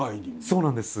そうなんです。